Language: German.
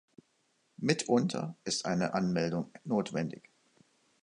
Mitunter ist eine Anmeldung notwendig.